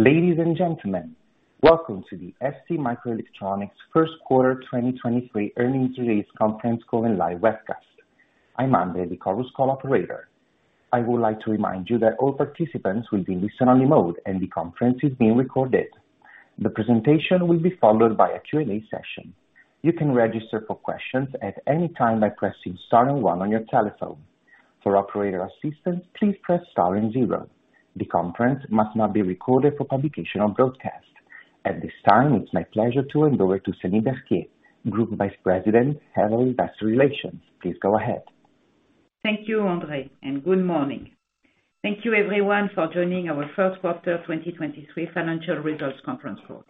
Ladies and gentlemen, welcome to the STMicroelectronics First Quarter 2023 Earnings Release Conference Call and Live Webcast. I'm Andre, the Chorus Call operator. I would like to remind you that all participants will be in listen only mode and the conference is being recorded. The presentation will be followed by a Q&A session. You can register for questions at any time by pressing star and one on your telephone. For operator assistance, please press star and zero. The conference must not be recorded for publication or broadcast. At this time, it's my pleasure to hand over to Céline Berthier, Group Vice President, Head of Investor Relations. Please go ahead. Thank you, Andre, and good morning. Thank you everyone for joining our first quarter 2023 financial results conference call.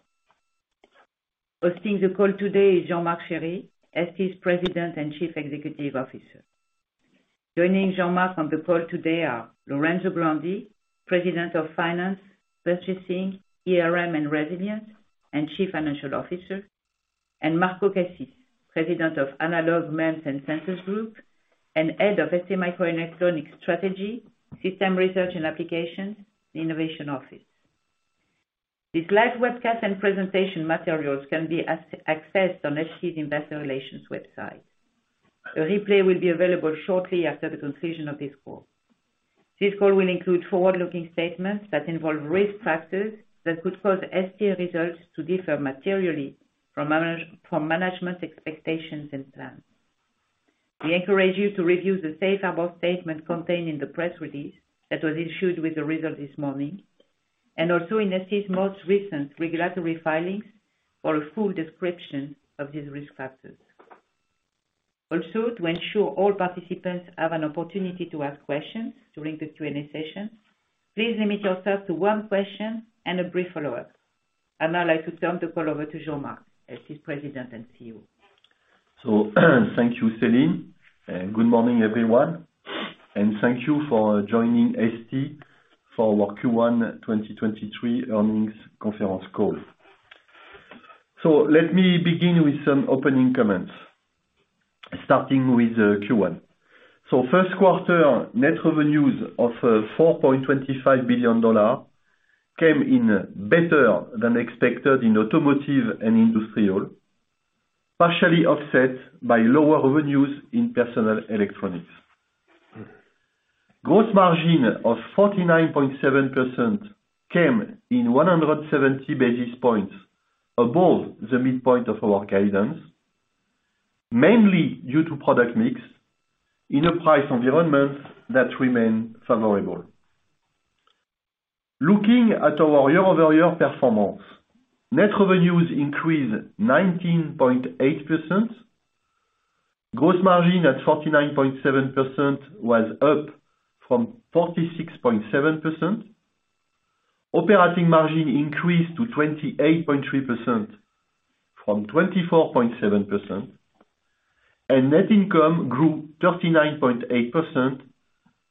Hosting the call today is Jean-Marc Chéry, ST's President and Chief Executive Officer. Joining Jean-Marc on the call today are Lorenzo Grandi, President of Finance, Purchasing, ERM and Resilience, and Chief Financial Officer, and Marco Cassis, President of Analog, MEMS and Sensors Group and Head of STMicroelectronics Strategy, System Research and Applications, Innovation Office. This live webcast and presentation materials can be accessed on ST's investor relations website. A replay will be available shortly after the conclusion of this call. This call will include forward-looking statements that involve risk factors that could cause ST results to differ materially from management expectations and plans. We encourage you to review the safe harbor statement contained in the press release that was issued with the result this morning, and also in ST's most recent regulatory filings for a full description of these risk factors. Also, to ensure all participants have an opportunity to ask questions during the Q&A session, please limit yourself to one question and a brief follow-up. I'd now like to turn the call over to Jean-Marc, ST's President and CEO. Thank you, Céline, and good morning, everyone, and thank you for joining ST for our Q1 2023 earnings conference call. Let me begin with some opening comments, starting with Q1. First quarter net revenues of $4.25 billion came in better than expected in automotive and industrial, partially offset by lower revenues in personal electronics. Gross margin of 49.7% came in 170 basis points above the midpoint of our guidance, mainly due to product mix in a price environment that remained favorable. Looking at our year-over-year performance, net revenues increased 19.8%. Gross margin at 49.7% was up from 46.7%. Operating margin increased to 28.3% from 24.7%, and net income grew 39.8%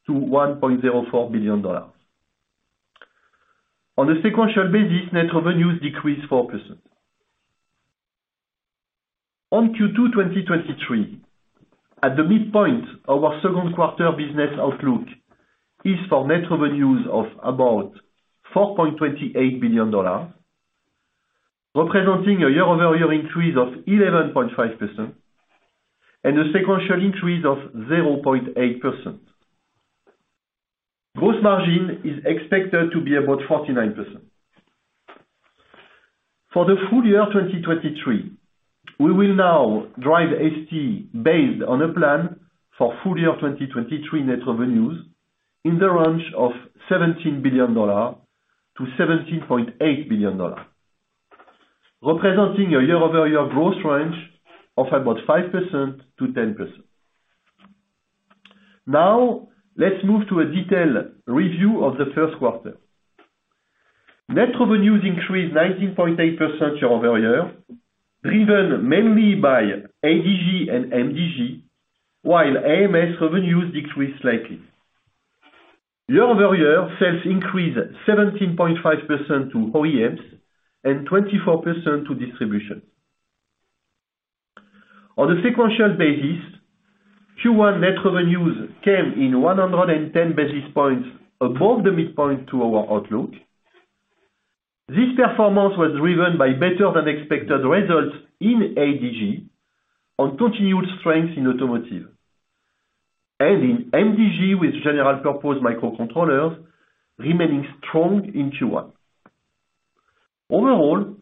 to $1.04 billion. On a sequential basis, net revenues decreased 4%. Q2 2023, at the midpoint of our second quarter business outlook is for net revenues of about $4.28 billion, representing a year-over-year increase of 11.5% and a sequential increase of 0.8%. Gross margin is expected to be about 49%. For the full year 2023, we will now drive ST based on a plan for full year 2023 net revenues in the range of $17 billion-$17.8 billion, representing a year-over-year growth range of about 5%-10%. Let's move to a detailed review of the first quarter. Net revenues increased 19.8% year-over-year, driven mainly by ADG and MDG, while AMS revenues decreased slightly. Year-over-year, sales increased 17.5% to OEMs and 24% to distribution. On a sequential basis, Q1 net revenues came in 110 basis points above the midpoint to our outlook. This performance was driven by better than expected results in ADG on continued strength in automotive, and in MDG with general purpose microcontrollers remaining strong in Q1. Overall,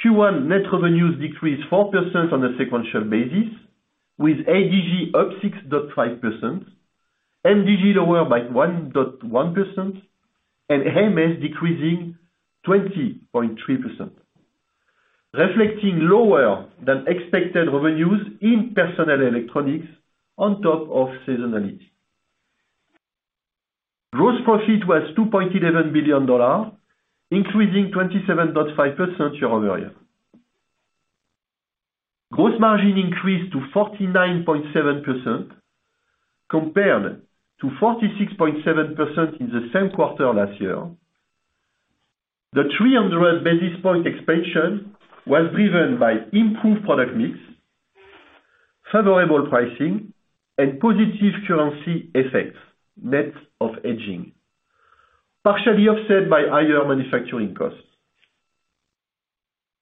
Q1 net revenues decreased 4% on a sequential basis with ADG up 6.5%, MDG lower by 1.1%, and AMS decreasing 20.3%, reflecting lower than expected revenues in personal electronics on top of seasonality. Gross profit was $2.11 billion, increasing 27.5% year-over-year. Gross margin increased to 49.7% compared to 46.7% in the same quarter last year. The 300 basis point expansion was driven by improved product mix, favorable pricing and positive currency effects, net of hedging, partially offset by higher manufacturing costs.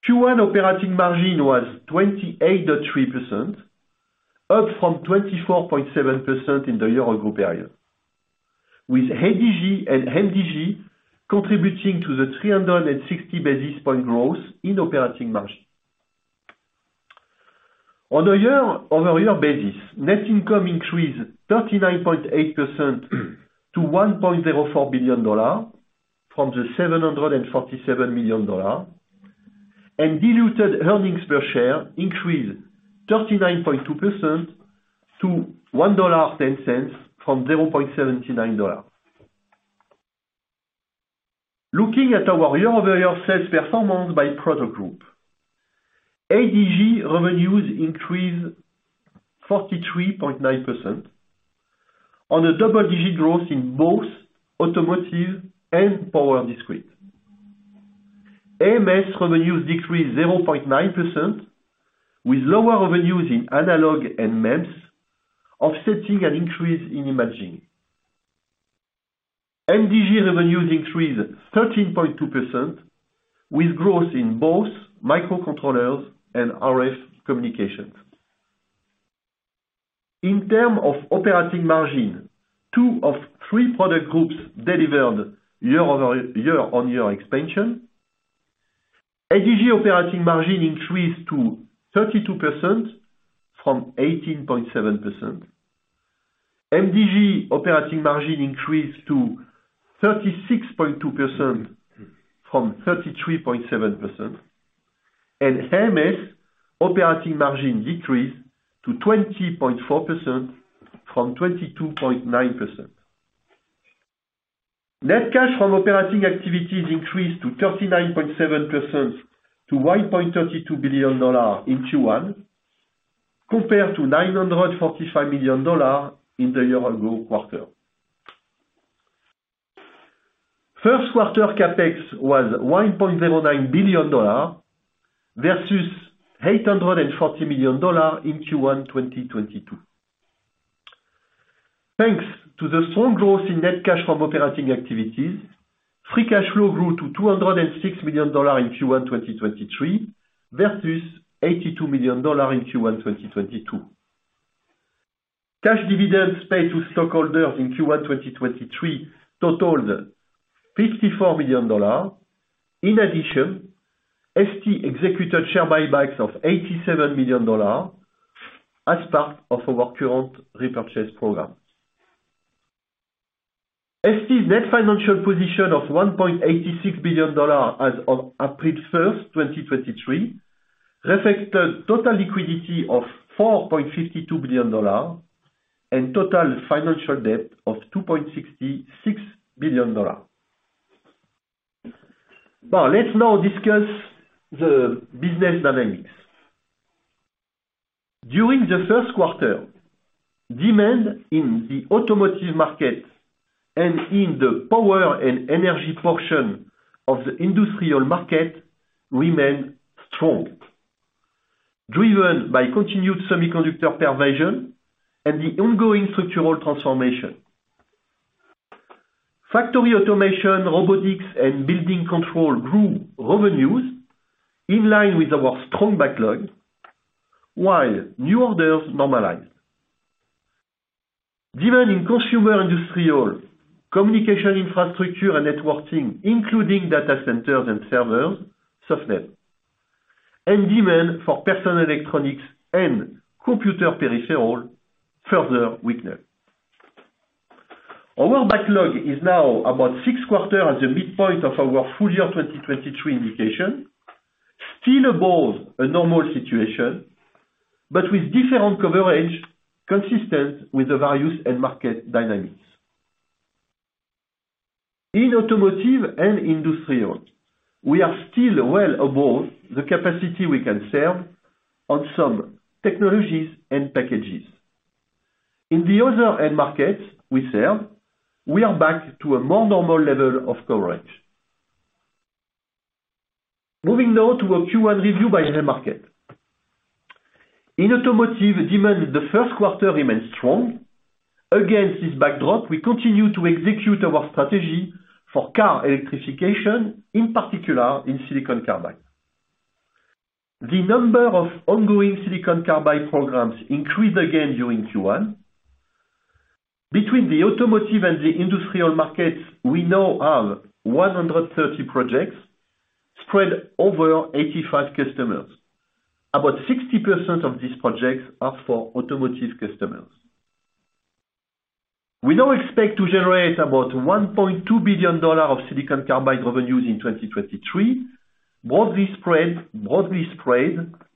Q1 operating margin was 28.3%, up from 24.7% in the year or group area, with ADG and MDG contributing to the 360 basis point growth in operating margin. On a year-over-year basis, net income increased 39.8% to $1.04 billion from the $747 million, and diluted earnings per share increased 39.2% to $1.10 from $0.79. Looking at our year-over-year sales performance by product group, ADG revenues increased 43.9% on a double-digit growth in both automotive and power discrete. AMS revenues decreased 0.9%, with lower revenues in analog and MEMS offsetting an increase in imaging. MDG revenues increased 13.2% with growth in both microcontrollers and RF communications. In term of operating margin, two of three product groups delivered year-over-year expansion. ADG operating margin increased to 32% from 18.7%. MDG operating margin increased to 36.2% from 33.7%. AMS operating margin decreased to 20.4% from 22.9%. Net cash from operating activities increased to 39.7% to $1.32 billion in Q1, compared to $945 million in the year-ago quarter. First quarter CapEx was $1.09 billion versus $840 million in Q1 2022. Thanks to the strong growth in net cash from operating activities, free cash flow grew to $206 million in Q1 2023 versus $82 million in Q1 2022. Cash dividends paid to stockholders in Q1 2023 totaled $54 million. In addition, ST executed share buybacks of $87 million as part of our current repurchase program. ST net financial position of $1.86 billion as of April 1, 2023 reflected total liquidity of $4.52 billion and total financial debt of $2.66 billion. Now, let's now discuss the business dynamics. During the first quarter, demand in the automotive market and in the power and energy portion of the industrial market remained strong, driven by continued semiconductor pervasion and the ongoing structural transformation. Factory automation, robotics, and building control grew revenues in line with our strong backlog, while new orders normalized. Demand in consumer industrial, communication infrastructure and networking, including data centers and servers, suffered, and demand for personal electronics and computer peripherals further weakened. Our backlog is now about six-quarter at the midpoint of our full year 2023 indication, still above a normal situation, but with different coverage consistent with the values and market dynamics. In automotive and industrial, we are still well above the capacity we can serve on some technologies and packages. In the other end markets we serve, we are back to a more normal level of coverage. Moving now to a Q1 review by end market. In automotive demand, the first quarter remains strong. Against this backdrop, we continue to execute our strategy for car electrification, in particular in silicon carbide. The number of ongoing silicon carbide programs increased again during Q1. Between the automotive and the industrial markets, we now have 130 projects spread over 85 customers. About 60% of these projects are for automotive customers. We now expect to generate about $1.2 billion of silicon carbide revenues in 2023, broadly spread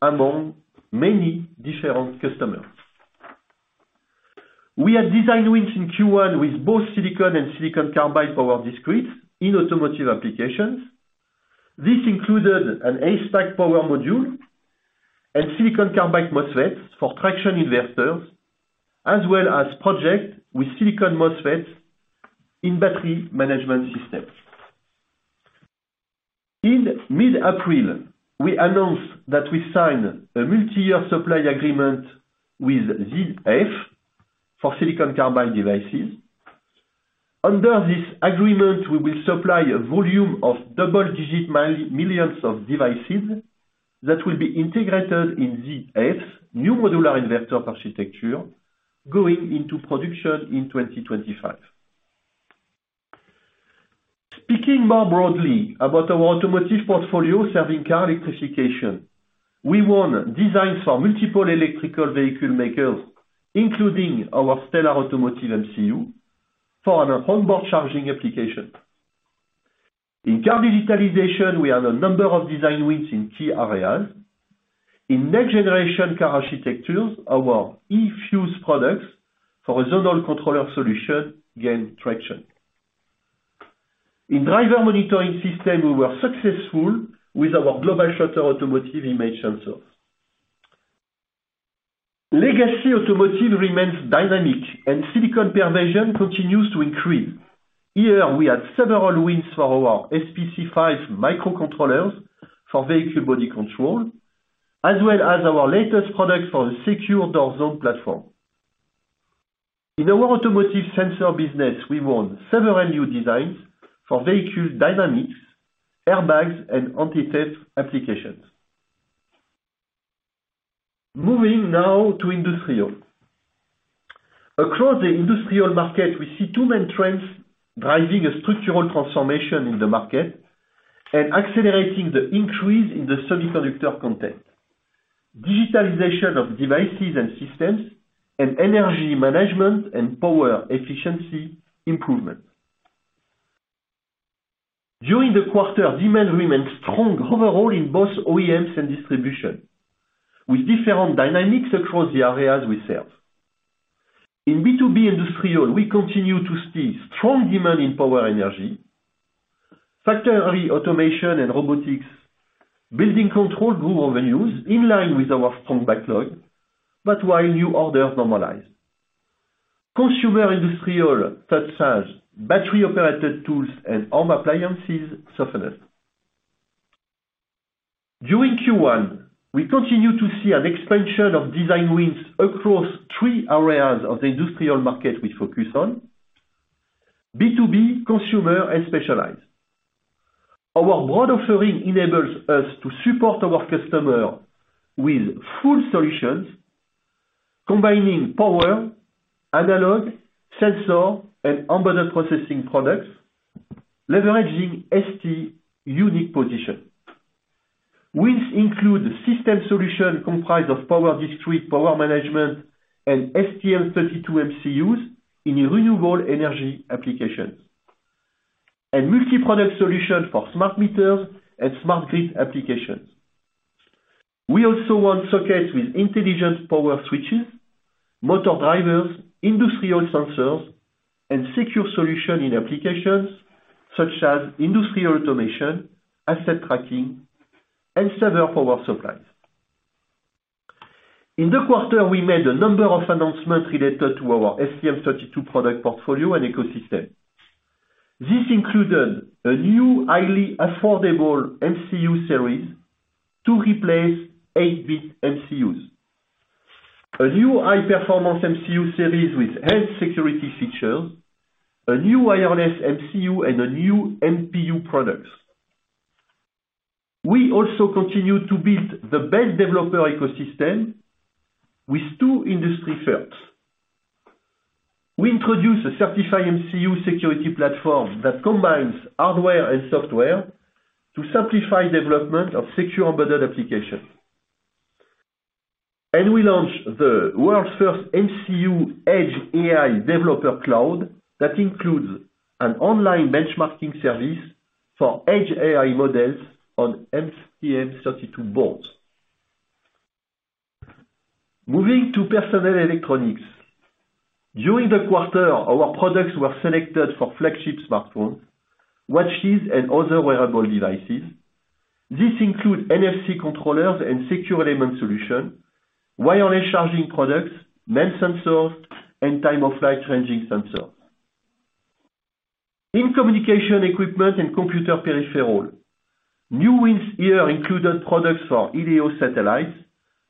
among many different customers. We had design wins in Q1 with both silicon and silicon carbide power discrete in automotive applications. This included an ACEPACK power module and silicon carbide MOSFETs for traction inverters, as well as project with silicon MOSFET in battery management systems. In mid-April, we announced that we signed a multi-year supply agreement with ZF for silicon carbide devices. Under this agreement, we will supply a volume of double digit millions of devices that will be integrated in ZF's new modular investor architecture going into production in 2025. Speaking more broadly about our automotive portfolio serving car electrification, we won designs for multiple electrical vehicle makers, including our Stellar Automotive MCU for an onboard charging application. In car digitalization, we have a number of design wins in key areas. In next generation car architectures, our eFuse products for a zonal controller solution gained traction. In driver monitoring system, we were successful with our global shutter automotive image sensors. Legacy automotive remains dynamic, and silicon pervasion continues to increase. Here we had several wins for our SPC5 microcontrollers for vehicle body control, as well as our latest product for the secure door zone platform. In our automotive sensor business, we won several new designs for vehicle dynamics, airbags, and anti-theft applications. Moving now to industrial. Across the industrial market, we see two main trends driving a structural transformation in the market and accelerating the increase in the semiconductor content. Digitalization of devices and systems and energy management and power efficiency improvement. During the quarter, demand remained strong overall in both OEMs and distribution, with different dynamics across the areas we serve. In B2B industrial, we continue to see strong demand in power energy, factory automation and robotics. Building control grew revenues in line with our strong backlog, while new orders normalized. Consumer industrial, such as battery-operated tools and home appliances, softened. During Q1, we continue to see an expansion of design wins across three areas of the industrial market we focus on: B2B, consumer, and specialized. Our broad offering enables us to support our customer with full solutions, combining power, analog, sensor, and embedded processing products, leveraging ST unique position. Wins include system solution comprised of power discrete, power management, and STM32 MCUs in renewable energy applications, and multi-product solution for smart meters and smart grid applications. We also want circuits with intelligent power switches, motor drivers, industrial sensors and secure solution in applications such as industrial automation, asset tracking, and server power supplies. In the quarter, we made a number of announcements related to our STM32 product portfolio and ecosystem. This included a new highly affordable MCU series to replace 8-bit MCUs. A new high-performance MCU series with health security features, a new wireless MCU, and a new MPU products. We also continue to build the best developer ecosystem with two industry firsts. We introduce a certified MCU security platform that combines hardware and software to simplify development of secure embedded applications. We launch the world's first MCU edge AI developer cloud that includes an online benchmarking service for edge AI models on STM32 boards. Moving to personal electronics. During the quarter, our products were selected for flagship smartphones, watches, and other wearable devices. This include NFC controllers and secure element solution, wireless charging products, main sensors, and Time-of-Flight ranging sensors. In communication equipment and computer peripheral, new wins here included products for LEO satellites,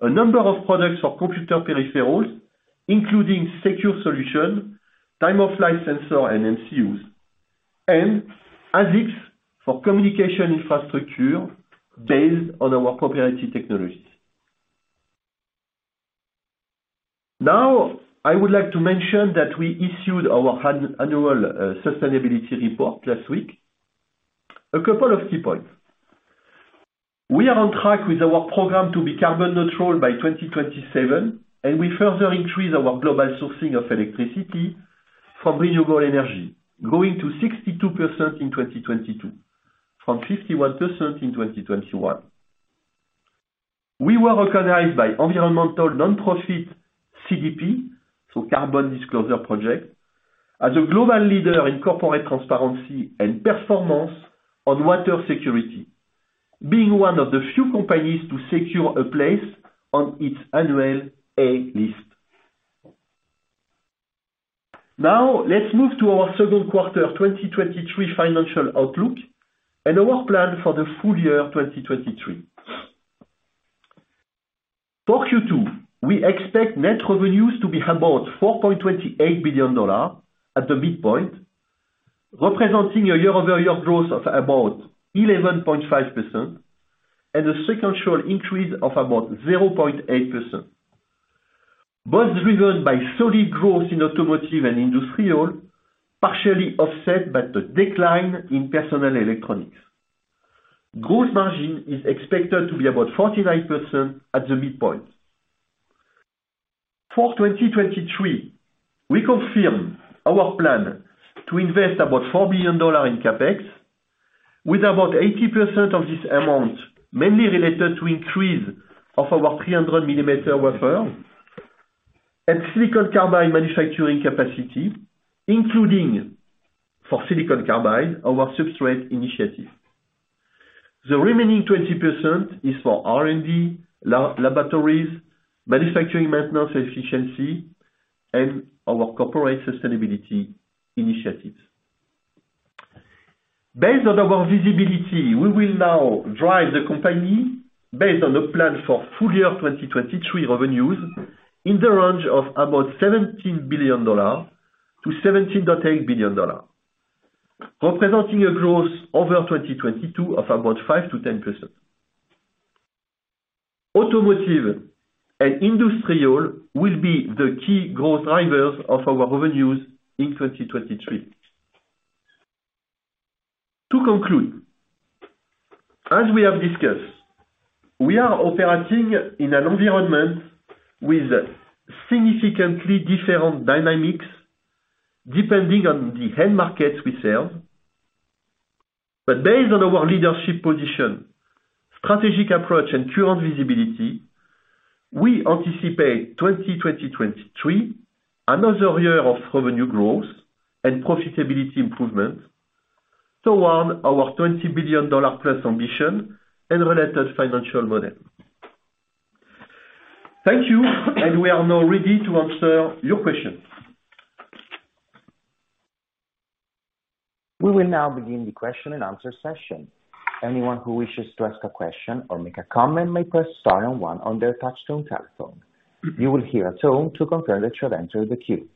a number of products for computer peripherals, including secure solution, Time-of-Flight sensor, and MCUs, and ASICs for communication infrastructure based on our proprietary technologies. Now, I would like to mention that we issued our annual sustainability report last week. A couple of key points. We are on track with our program to be carbon neutral by 2027. We further increase our global sourcing of electricity from renewable energy, growing to 62% in 2022, from 51% in 2021. We were recognized by environmental nonprofit CDP, so Carbon Disclosure Project, as a global leader in corporate transparency and performance on water security, being one of the few companies to secure a place on its annual A list. Let's move to our Q2 2023 financial outlook and our plan for the full year 2023. For Q2, we expect net revenues to be about $4.28 billion at the midpoint, representing a year-over-year growth of about 11.5% and a sequential increase of about 0.8%, both driven by solid growth in automotive and industrial, partially offset by the decline in personal electronics. Gross margin is expected to be about 49% at the midpoint. 2023, we confirm our plan to invest about $4 billion in CapEx, with about 80% of this amount mainly related to increase of our 300mm wafer and silicon carbide manufacturing capacity, including, for silicon carbide, our substrate initiative. The remaining 20% is for R&D, laboratories, manufacturing maintenance efficiency, and our corporate sustainability initiatives. Based on our visibility, we will now drive the company based on the plan for full year 2023 revenues in the range of about $17 billion-$17.8 billion, representing a growth over 2022 of about 5%-10%. Automotive and industrial will be the key growth drivers of our revenues in 2023. To conclude, as we have discussed, we are operating in an environment with significantly different dynamics depending on the end markets we serve. Based on our leadership position, strategic approach and current visibility, we anticipate 2023 another year of revenue growth and profitability improvement toward our $20 billion plus ambition and related financial model. Thank you, and we are now ready to answer your questions. We will now begin the Q&A session. Anyone who wishes to ask a question or make a comment may press star and one on their touchtone telephone. You will hear a tone to confirm that you have entered the queue.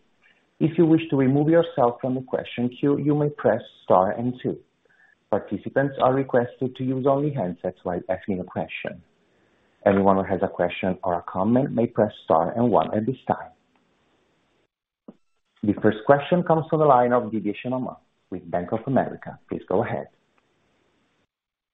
If you wish to remove yourself from the question queue, you may press star and two. Participants are requested to use only handsets while asking a question. Everyone who has a question or a comment may press star and one at this time. The first question comes from the line of Didier Scemama with Bank of America. Please go ahead.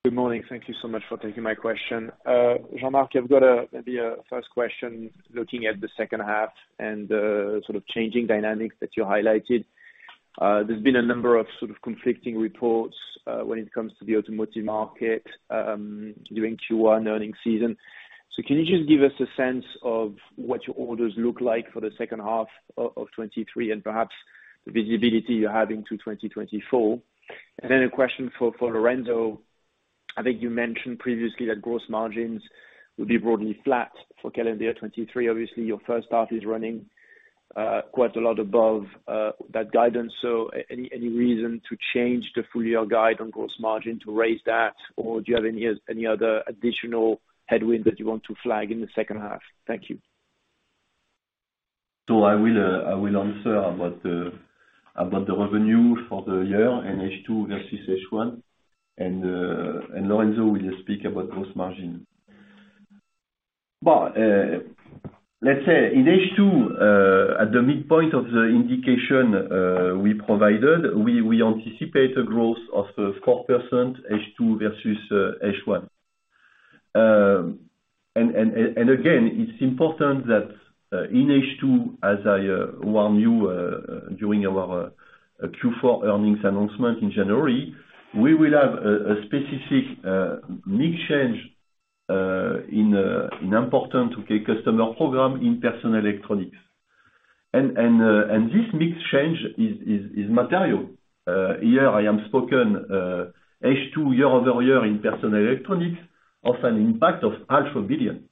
Good morning. Thank you so much for taking my question. Jean-Marc, I've got a maybe a first question, looking at the second half and the sort of changing dynamics that you highlighted. There's been a number of sort of conflicting reports, when it comes to the automotive market, during Q1 earnings season. Can you just give us a sense of what your orders look like for the second half of 2023 and perhaps the visibility you have into 2024? A question for Lorenzo. I think you mentioned previously that gross margins will be broadly flat for calendar 2023. Obviously, your first half is running quite a lot above that guidance. Any reason to change the full year guide on gross margin to raise that? Do you have any other additional headwind that you want to flag in the second half? Thank you. I will answer about the revenue for the year and H2 versus H1. Lorenzo will speak about gross margin. Let's say in H2, at the midpoint of the indication, we provided, we anticipate a growth of 4% H2 versus H1. Again, it's important that in H2, as I warn you, during our Q4 earnings announcement in January, we will have a specific mix change in important key customer program in personal electronics. This mix change is material. Here I am spoken, H2 year-over-year in personal electronics of an impact of half a billion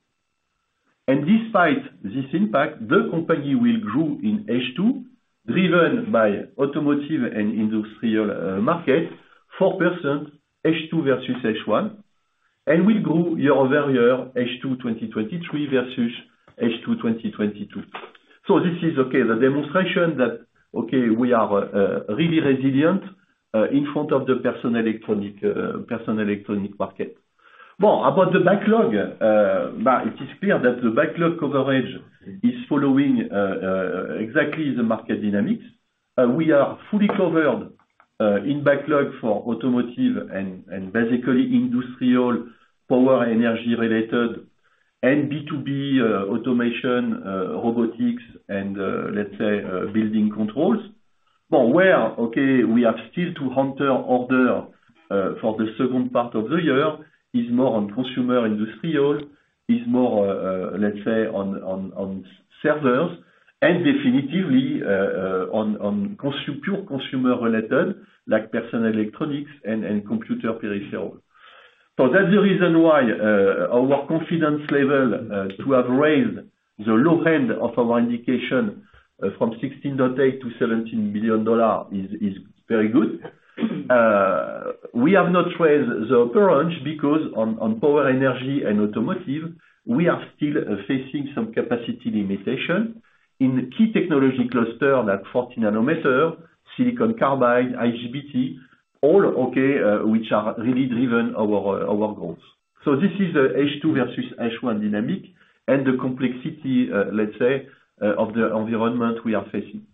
EUR. Despite this impact, the company will grow in H2, driven by automotive and industrial markets, 4% H2 versus H1, and will grow year-over-year, H2 2023 versus H2 2022. This is the demonstration that we are really resilient in front of the personal electronic market. More about the backlog. It is clear that the backlog coverage is following exactly the market dynamics. We are fully covered in backlog for automotive and basically industrial power energy-related and B2B automation, robotics and building controls. Where we have still to hunter order for the second part of the year is more on consumer industrial, is more, let's say, on servers and definitively on pure consumer related, like personal electronics and computer peripherals. That's the reason why our confidence level to have raised the low end of our indication from $16.8-$17 billion is very good. We have not raised the upper range because on power, energy and automotive, we are still facing some capacity limitation in the key technology cluster, that 40nm, silicon carbide, IGBT, all which are really driven our growth. This is the H2 versus H1 dynamic and the complexity, let's say, of the environment we are facing.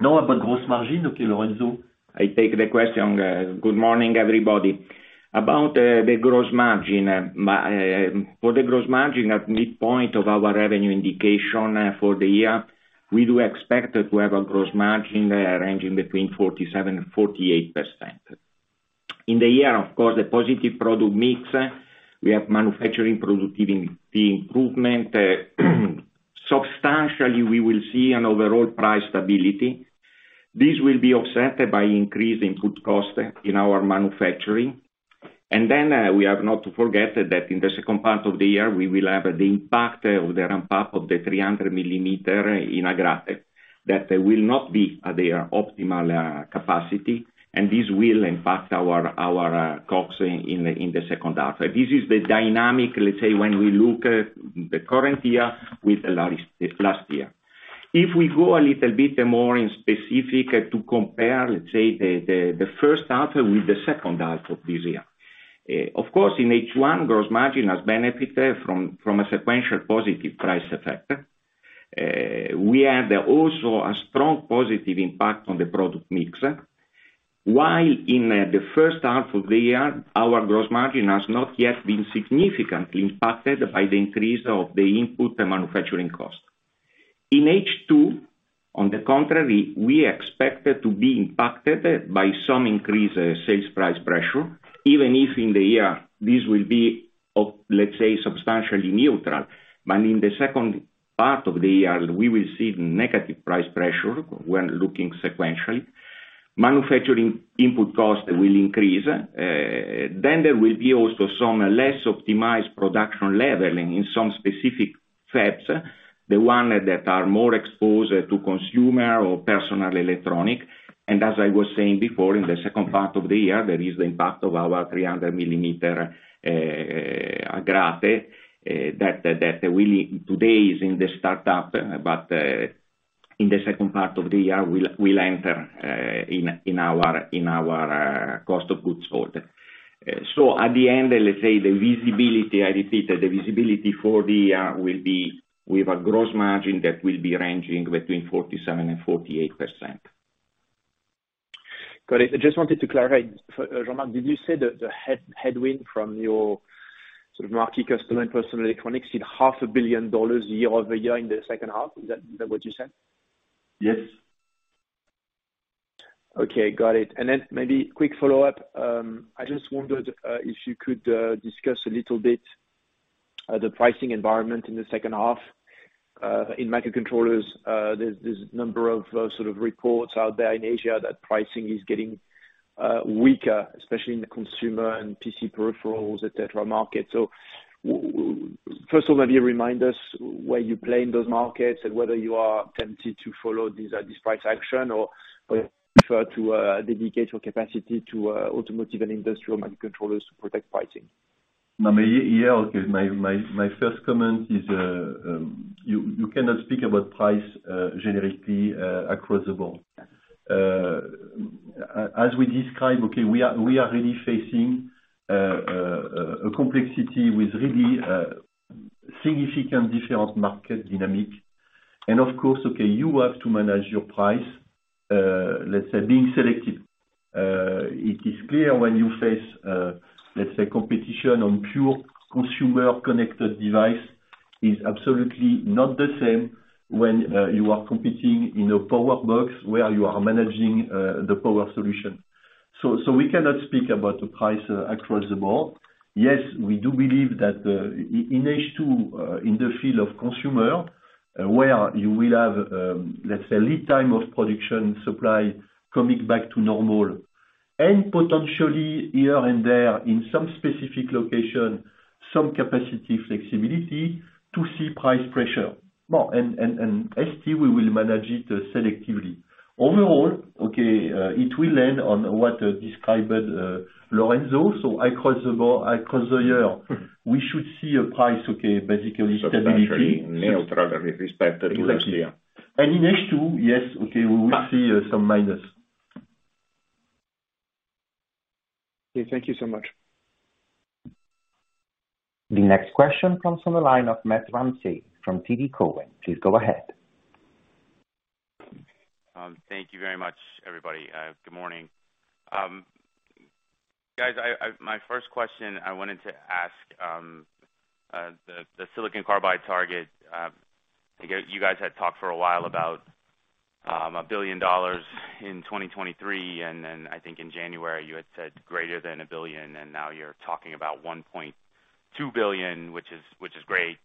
About gross margin, Lorenzo. I take the question. Good morning, everybody. About the gross margin, for the gross margin at midpoint of our revenue indication for the year, we do expect to have a gross margin ranging between 47% and 48%. In the year, of course, the positive product mix, we have manufacturing productivity improvement. Substantially, we will see an overall price stability. This will be offset by increase in good cost in our manufacturing. We have not to forget that in the second part of the year, we will have the impact of the ramp-up of the 300mm in Agrate that they will not be at their optimal capacity, and this will impact our costs in the second half. This is the dynamic, let's say, when we look at the current year with last year. If we go a little bit more in specific to compare, let's say, the first half with the second half of this year. Of course, in H1, gross margin has benefited from a sequential positive price effect. We had also a strong positive impact on the product mix, while in the first half of the year, our gross margin has not yet been significantly impacted by the increase of the input and manufacturing cost. In H2, on the contrary, we expected to be impacted by some increased sales price pressure, even if in the year this will be, let's say, substantially neutral. In the second part of the year, we will see negative price pressure when looking sequentially. Manufacturing input cost will increase. There will be also some less optimized production level in some specific fabs, the one that are more exposed to consumer or personal electronic. As I was saying before, in the second part of the year, there is the impact of our 300mm Agrate that today is in the startup, in the second part of the year will enter in our cost of goods sold. At the end, let's say the visibility, I repeat, the visibility for the year will be with a gross margin that will be ranging between 47% and 48%. Got it. I just wanted to clarify. Jean-Marc, did you say that the headwind from your sort of marquee customer and personal electronics hit half a billion dollars year-over-year in the second half? Is that what you said? Yes. Okay. Got it. Maybe quick follow-up. I just wondered if you could discuss a little bit the pricing environment in the second half. In microcontrollers, there's a number of sort of reports out there in Asia that pricing is getting weaker, especially in the consumer and PC peripherals, et cetera, market. First of all, maybe remind us where you play in those markets and whether you are tempted to follow these this price action or whether you prefer to dedicate your capacity to automotive and industrial microcontrollers to protect pricing. No, maybe, yeah, okay. My first comment is, you cannot speak about price generically across the board. As we described, okay, we are really facing a complexity with really significant different market dynamic. Of course, okay, you have to manage your price, let's say being selective. It is clear when you face, let's say competition on pure consumer connected device is absolutely not the same when you are competing in a power box where you are managing the power solution. We cannot speak about the price across the board. Yes, we do believe that, in H2, in the field of consumer, where you will have, let's say, lead time of production supply coming back to normal and potentially here and there in some specific location, some capacity flexibility to see price pressure. Well, ST, we will manage it selectively. Overall, okay, it will end on what described, Lorenzo. Across the year, we should see a price, okay, basically stability. Substantially neutral with respect to last year. Exactly. In H2, yes, okay, we will see some minus. Okay. Thank you so much. The next question comes from the line of Matt Ramsay from TD Cowen. Please go ahead. Thank you very much, everybody. Good morning. Guys, my first question I wanted to ask, the silicon carbide target, I guess you guys had talked for a while about $1 billion in 2023, and then I think in January you had said greater than $1 billion, and now you're talking about $1.2 billion, which is great.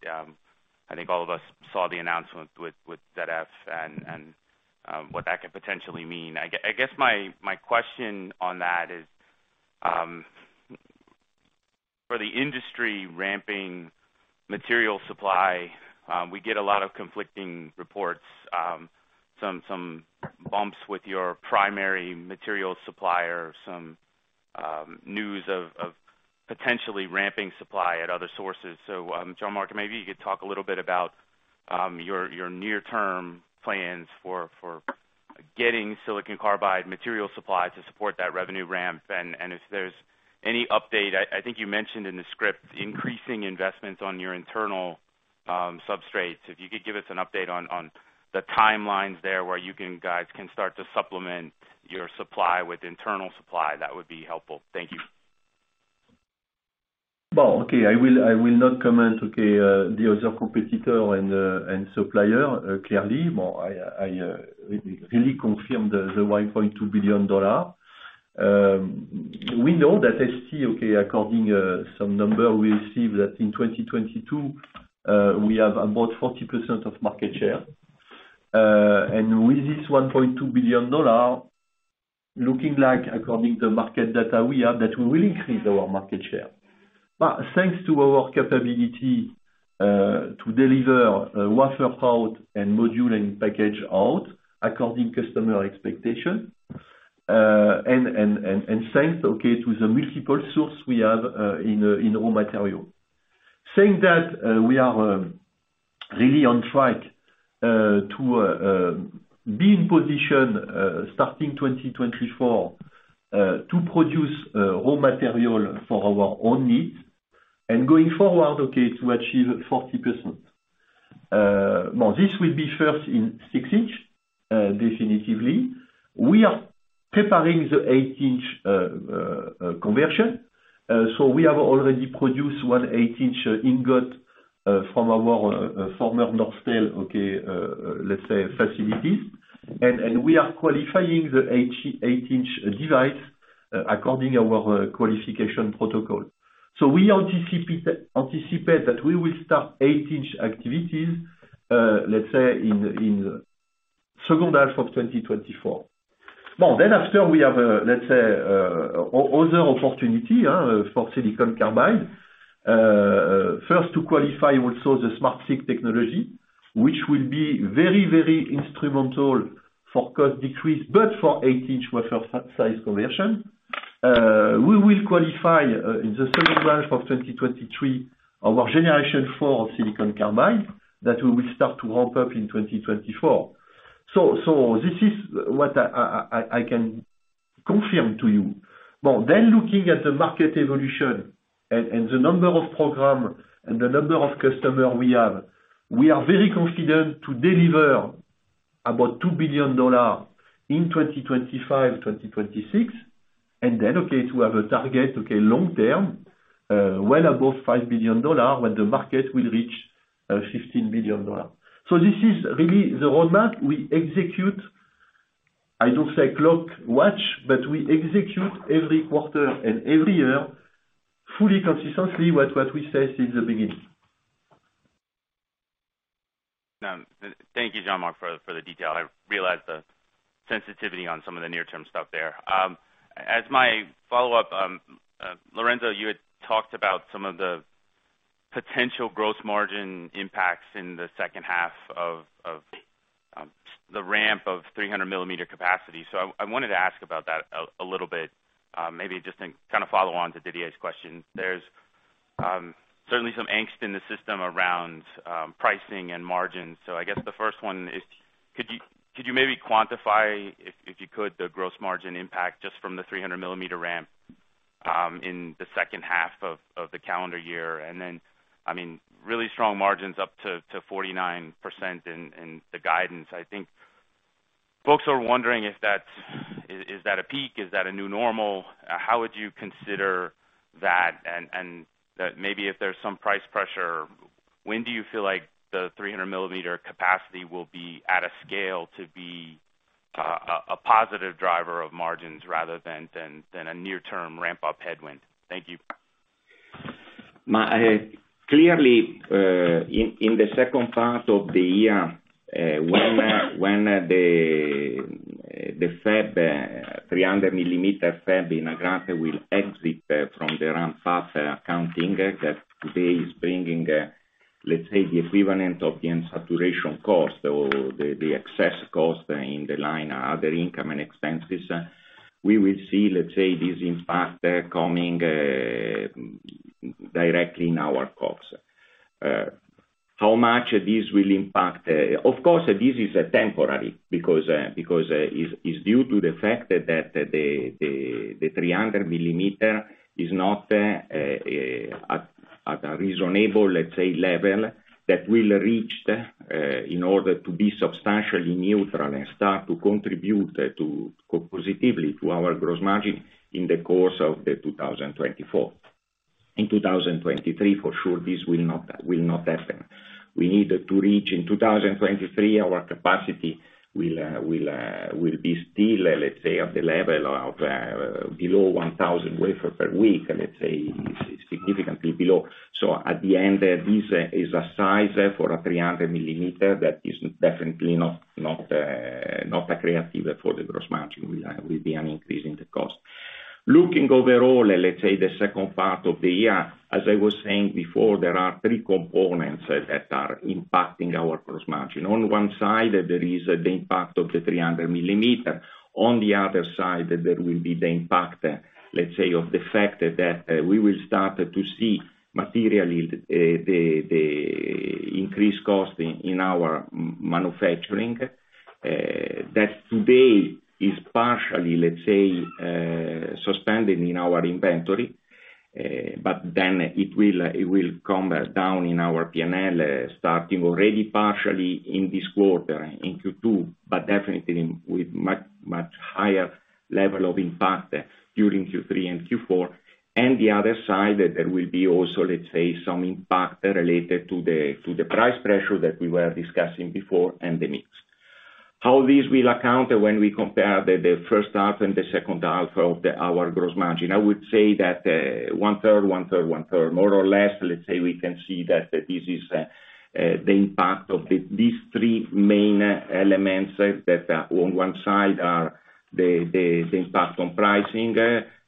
I think all of us saw the announcement with ZF and what that could potentially mean. I guess my question on that is, for the industry ramping material supply, we get a lot of conflicting reports, some bumps with your primary material supplier, some news of potentially ramping supply at other sources. Jean-Marc, maybe you could talk a little bit about your near-term plans for getting silicon carbide material supply to support that revenue ramp. If there's any update, I think you mentioned in the script increasing investments on your internal substrates. If you could give us an update on the timelines there, where you guys can start to supplement your supply with internal supply, that would be helpful. Thank you. I will not comment the other competitor and supplier. Clearly, I really confirm the $1.2 billion. We know that ST, according some number, we see that in 2022, we have about 40% of market share. With this $1.2 billion, looking like according to market data we have, that we will increase our market share. Thanks to our capability to deliver a wafer out and module and package out according customer expectation, and thanks to the multiple source we have in raw material. Saying that, we are really on track to be in position starting 2024 to produce raw material for our own needs and going forward, okay, to achieve 40%. Now this will be first in 6-inch, definitively. We are preparing the 8-inch conversion. We have already produced one 8-inch ingot from our former Norstel, okay, let's say, facilities. We are qualifying the 8-inch device according our qualification protocol. We anticipate that we will start 8-inch activities, let's say in second half of 2024. After we have, let's say, other opportunity for silicon carbide. First to qualify also the SmartSiC technology, which will be very, very instrumental for cost decrease, but for 8-inch wafer size conversion. We will qualify in the second half of 2023 our Generation 4 silicon carbide that we will start to ramp up in 2024. This is what I can confirm to you. Looking at the market evolution and the number of program and the number of customer we have, we are very confident to deliver about $2 billion in 2025, 2026. To have a target long term, well above $5 billion when the market will reach $15 billion. This is really the roadmap we execute. I don't say clock watch, but we execute every quarter and every year fully consistently what we said since the beginning. Thank you, Jean-Marc for the detail. I realize the sensitivity on some of the near-term stuff there. As my follow-up, Lorenzo, you had talked about some of the potential gross margin impacts in the second half of the ramp of 300mm capacity. I wanted to ask about that a little bit, maybe just kind of follow on to Didier's question. There's certainly some angst in the system around pricing and margins. I guess the first one is could you maybe quantify if you could, the gross margin impact just from the 300mm ramp in the second half of the calendar year? I mean, really strong margins up to 49% in the guidance. I think folks are wondering if that's, is that a peak? Is that a new normal? How would you consider that and that maybe if there's some price pressure, when do you feel like the 300mm capacity will be at a scale to be a positive driver of margins rather than a near-term ramp up headwind? Thank you. My, clearly, in the second part of the year, when the fab, 300mm fab in Agrate will exit from the ramp-up counting that today is bringing, let's say, the equivalent of the insaturation cost or the excess cost in the line other income and expenses. We will see, let's say, this impact coming directly in our costs. How much this will impact? Of course, this is temporary because it's due to the fact that the 300mm is not at a reasonable, let's say, level that will reach in order to be substantially neutral and start to contribute positively to our gross margin in the course of 2024. In 2023, for sure, this will not happen. We need to reach in 2023, our capacity will be still, let's say, at the level of below 1,000 wafer per week, let's say, significantly below. At the end, this is a size for a 300mm that is definitely not accretive for the gross margin. We'll be an increase in the cost. Looking overall, let's say the second part of the year, as I was saying before, there are three components that are impacting our gross margin. On one side, there is the impact of the 300mm. On the other side, there will be the impact, let's say, of the fact that we will start to see materially the increased cost in our manufacturing. That today is partially, let's say, suspended in our inventory, but then it will come as down in our PNL starting already partially in this quarter, in Q2, but definitely with much, much higher level of impact during Q3 and Q4. The other side, there will be also, let's say, some impact related to the, to the price pressure that we were discussing before and the mix. How this will account when we compare the first half and the second half of our gross margin? I would say that one-third, one-third, one-third, more or less, let's say we can see that this is the impact of these three main elements that on one side are the impact on pricing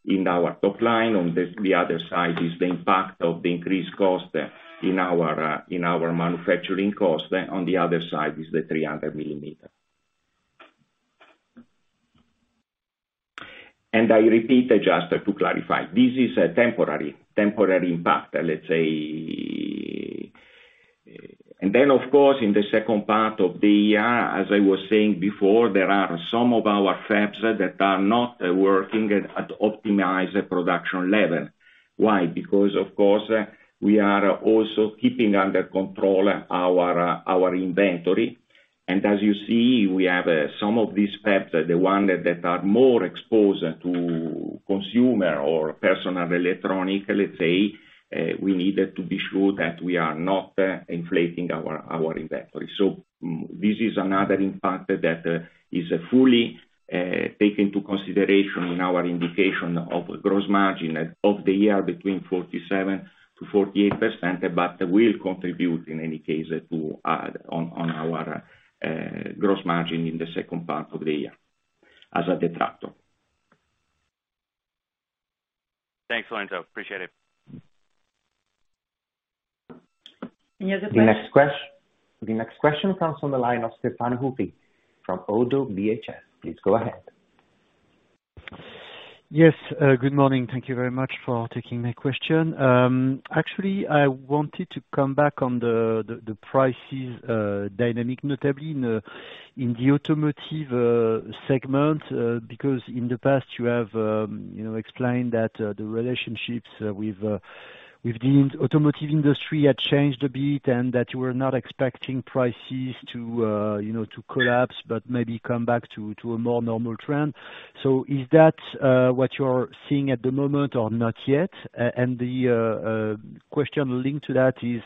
in our top line. On the other side is the impact of the increased cost in our manufacturing cost. On the other side is the 300mm. I repeat, just to clarify, this is a temporary impact, let's say. Of course, in the second part of the year, as I was saying before, there are some of our fabs that are not working at optimized production level. Why? Because of course, we are also keeping under control our inventory. As you see, we have some of these fabs, the one that are more exposed to consumer or personal electronic, let's say, we needed to be sure that we are not inflating our inventory. This is another impact that is fully taken into consideration in our indication of gross margin of the year between 47%-48%, but will contribute in any case to add on our gross margin in the second part of the year as a detractor. Thanks, Lorenzo. Appreciate it. Any other questions? The next question comes from the line of Stéphane Houri from ODDO BHF. Please go ahead. Good morning. Thank you very much for taking my question. Actually, I wanted to come back on the prices dynamic, notably in the automotive segment, because in the past you have, you know, explained that the relationships with the automotive industry had changed a bit and that you were not expecting prices to, you know, collapse, but maybe come back to a more normal trend. Is that what you're seeing at the moment or not yet? The question linked to that is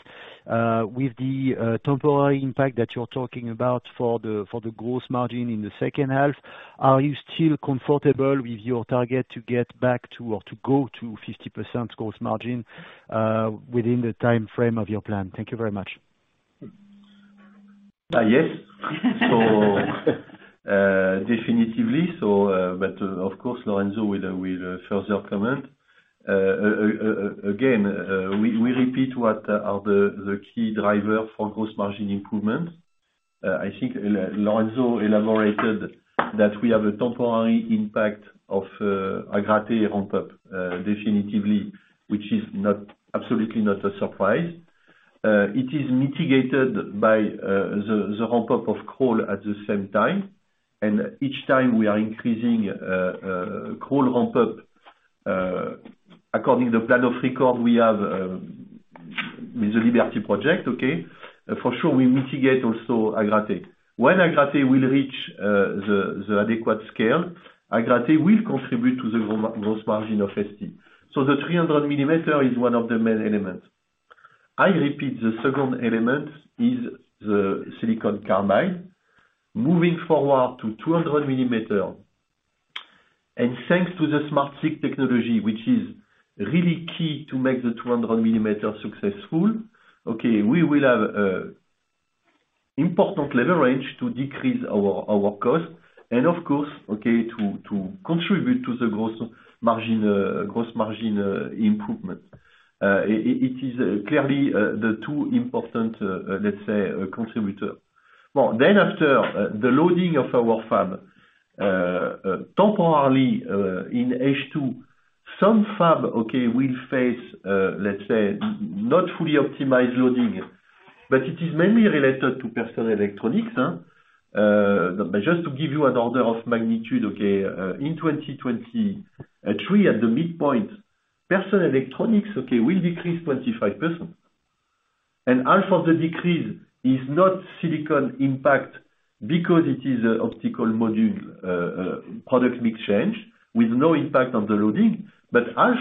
with the temporary impact that you're talking about for the gross margin in the second half, are you still comfortable with your target to get back to or to go to 50% gross margin within the time frame of your plan? Thank you very much. Yes. Definitively so, Lorenzo will further comment. Again, we repeat what are the key driver for gross margin improvement. I think Lorenzo elaborated that we have a temporary impact of Agrate ramp up, definitively, which is not, absolutely not a surprise. It is mitigated by the ramp up of Crolles at the same time. Each time we are increasing Crolles ramp up according the plan of record we have with the Liberty project. For sure, we mitigate also Agrate. When Agrate will reach the adequate scale, Agrate will contribute to the gross margin of ST. The 300mm is one of the main elements. I repeat, the second element is the silicon carbide. Moving forward to 200mm, thanks to the SmartSiC technology, which is really key to make the 200mm successful, okay, we will have important leverage to decrease our cost and of course, okay, to contribute to the gross margin improvement. It is clearly the two important, let's say, contributor. Well, after the loading of our fab, temporarily, in H2, some fab, okay, will face, let's say, not fully optimized loading, but it is mainly related to personal electronics. Just to give you an order of magnitude, okay, in 2023 at the midpoint, personal electronics, okay, will decrease 25%. Half of the decrease is not silicon impact because it is a optical module product mix change with no impact on the loading, but half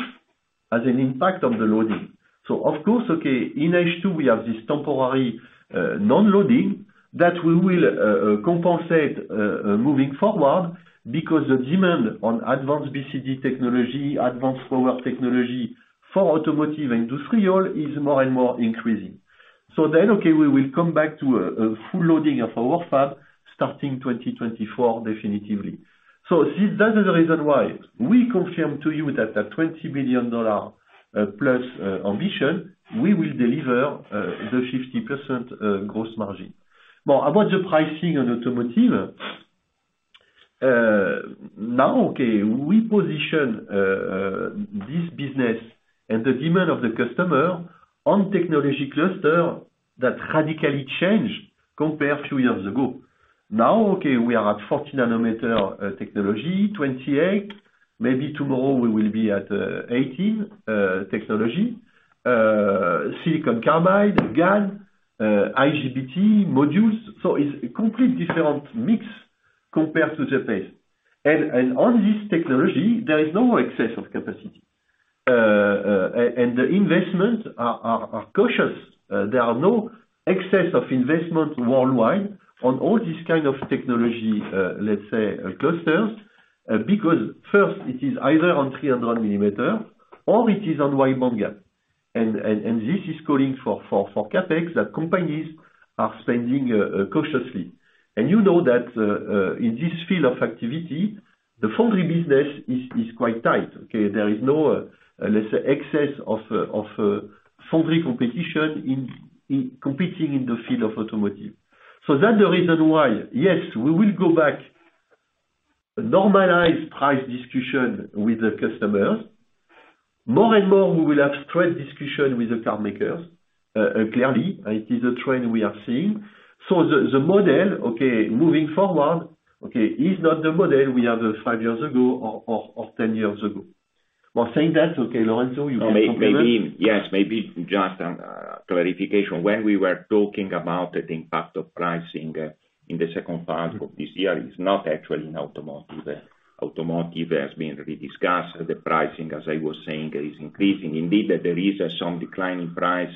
as an impact on the loading. Of course, okay, in H2, we have this temporary non-loading that we will compensate moving forward because the demand on advanced BCD technology, advanced power technology for automotive industrial is more and more increasing. Okay, we will come back to a full loading of our fab starting 2024 definitively. That is the reason why we confirm to you that the $20 billion plus ambition, we will deliver the 50% gross margin. Now, about the pricing on automotive, now, okay, we position this business and the demand of the customer on technology cluster that radically change compared few years ago. Now, okay, we are at 40nm technology, 28nm. Maybe tomorrow we will be at 18nm technology, silicon carbide, GaN, IGBT modules. It's a complete different mix compared to the past. On this technology, there is no excess of capacity. The investments are cautious. There are no excess of investment worldwide on all these kind of technology, let's say, clusters, because first it is either on 300mm or it is on wide bandgap. This is calling for CapEx that companies are spending cautiously. You know that, in this field of activity, the foundry business is quite tight, okay? There is no, let's say, excess of foundry competition in competing in the field of automotive. That's the reason why, yes, we will go back normalize price discussion with the customers. More and more, we will have straight discussion with the car makers. Clearly, it is a trend we are seeing. The model, okay, moving forward, okay, is not the model we have five years ago or 10 years ago. While saying that, okay, Lorenzo, you can complement. Yes, maybe just clarification. When we were talking about the impact of pricing in the second half of this year, is not actually in automotive. Automotive has been rediscussed. The pricing, as I was saying, is increasing. There is some declining price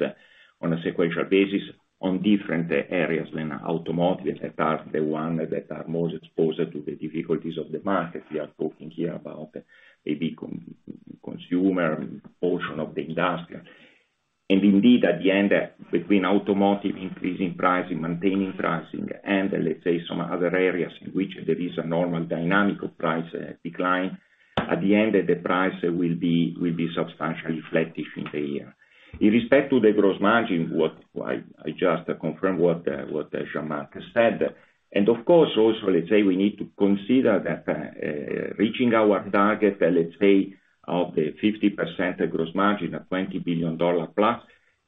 on a sequential basis on different areas than automotive. That are the one that are most exposed to the difficulties of the market. We are talking here about maybe consumer portion of the industrial. At the end, between automotive increasing pricing, maintaining pricing, and let's say some other areas in which there is a normal dynamic of price decline, at the end, the price will be substantially flat-ish in the year. In respect to the gross margin, I just confirm what Jean-Marc said. Of course, also, we need to consider that reaching our target of the 50% gross margin at $20 billion plus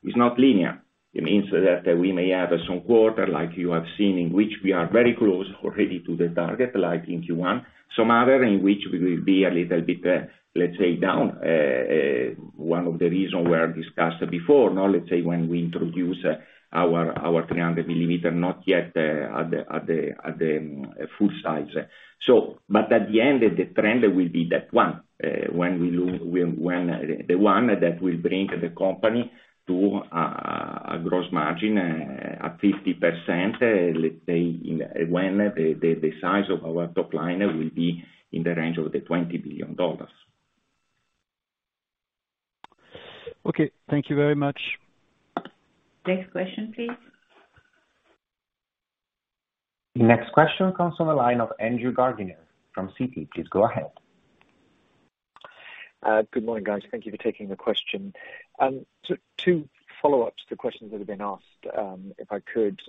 is not linear. It means that we may have some quarter, like you have seen, in which we are very close already to the target, like in Q1, some other in which we will be a little bit down. One of the reason were discussed before. When we introduce our 300mm, not yet at the full size. At the end, the trend will be that one, When the one that will bring the company to a gross margin, at 50%, let's say, when the size of our top line will be in the range of $20 billion. Okay. Thank you very much. Next question, please. Next question comes from the line of Andrew Gardiner from Citi. Please go ahead. Good morning, guys. Thank you for taking the question. Two follow-ups to questions that have been asked, if I could.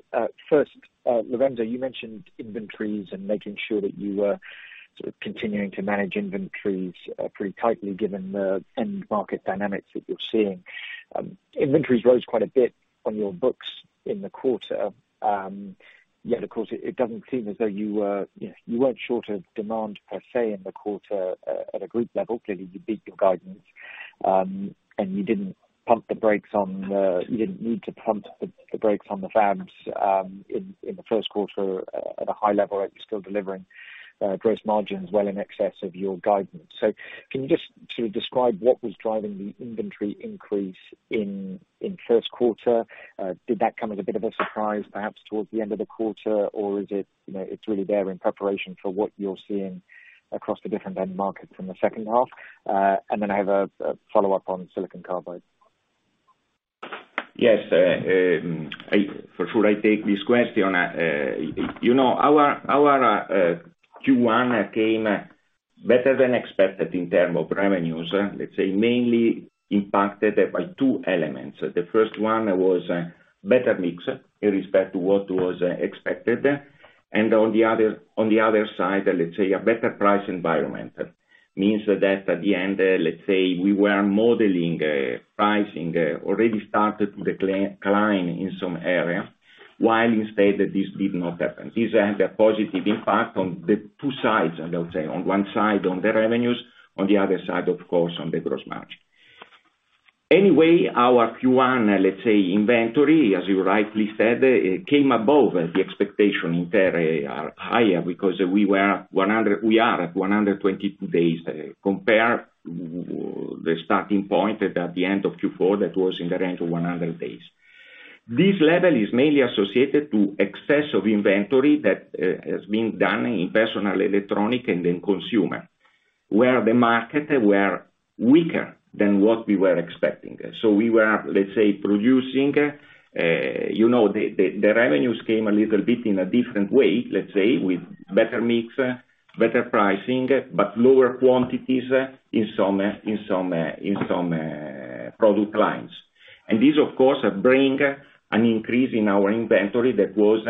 First, Lorenzo, you mentioned inventories and making sure that you were sort of continuing to manage inventories pretty tightly given the end market dynamics that you're seeing. Inventories rose quite a bit on your books in the quarter. Yet of course, it doesn't seem as though you were, you know, you weren't short of demand per se in the quarter at a group level. Clearly, you beat your guidance, and you didn't need to pump the brakes on the fabs in the first quarter at a high level, right? You're still delivering gross margins well in excess of your guidance. Can you just sort of describe what was driving the inventory increase in first quarter? Did that come as a bit of a surprise, perhaps towards the end of the quarter? Or is it, you know, it's really there in preparation for what you're seeing across the different end markets in the second half? I have a follow-up on silicon carbide. Yes. For sure I take this question. You know, our Q1 came better than expected in term of revenues, let's say, mainly impacted by two elements. The first one was better mix in respect to what was expected. On the other side, let's say a better price environment. Means that at the end, let's say we were modeling pricing already started to decline in some areas, while instead this did not happen. These had a positive impact on the two sides, I would say, on one side on the revenues, on the other side, of course, on the gross margin. Our Q1, let's say, inventory, as you rightly said, it came above the expectation in there are higher because we are at 120 days compare the starting point at the end of Q4 that was in the range of 100 days. This level is mainly associated to excess of inventory that has been done in personal electronic and in consumer, where the market were weaker than what we were expecting. We were, let's say producing, you know, the revenues came a little bit in a different way, let's say, with better mix, better pricing, but lower quantities in some product lines. This, of course, bring an increase in our inventory that was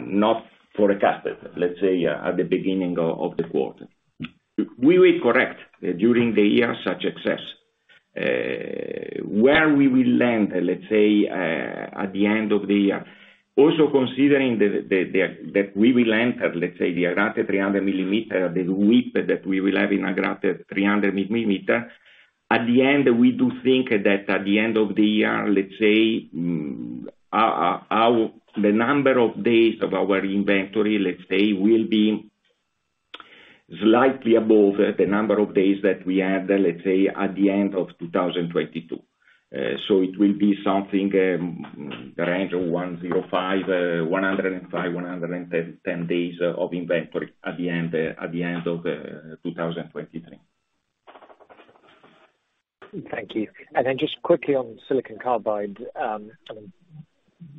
not forecasted, let's say, at the beginning of the quarter. We will correct during the year such excess. where we will land, let's say, at the end of the year. Also considering the, that we will enter, let's say, the Agrate 300mm, the leap that we will have in Agrate 300mm. At the end, we do think that at the end of the year, let's say, our, the number of days of our inventory, let's say, will be slightly above the number of days that we had, let's say, at the end of 2022. It will be something, range of 105, 110, 10 days of inventory at the end, at the end of 2023. Thank you. Then just quickly on silicon carbide.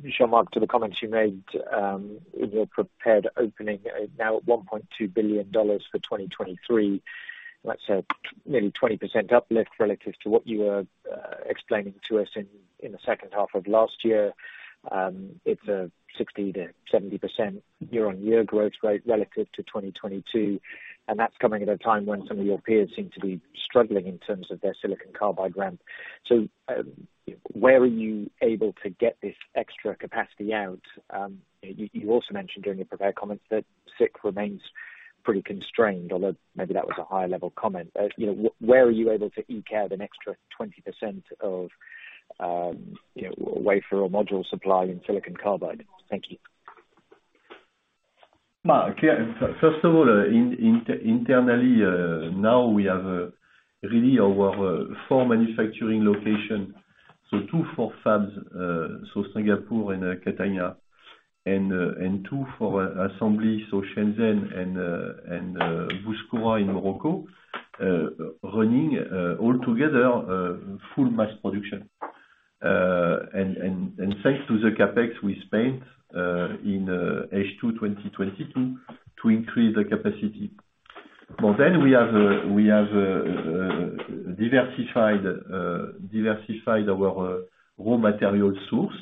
Jean-Marc, to the comments you made in your prepared opening now at $1.2 billion for 2023, let's say nearly 20% uplift relative to what you were explaining to us in the second half of last year. It's a 60%-70% year-on-year growth rate relative to 2022, and that's coming at a time when some of your peers seem to be struggling in terms of their silicon carbide ramp. Where are you able to get this extra capacity out? You also mentioned during your prepared comments that SiC remains pretty constrained. Although maybe that was a high-level comment. You know, where are you able to eke out an extra 20% of, you know, wafer or module supply in silicon carbide? Thank you. Mark. First of all, in internally, now we have really our four manufacturing location. Two for fabs, so Singapore and Catania, and two for assembly, so Shenzhen and Bouskoura in Morocco, running all together full mass production. Thanks to the CapEx we spent in H2 2022 to increase the capacity. We have diversified our raw material source